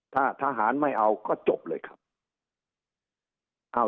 ถ้าทหารไม่เอาก็จบเลยครับ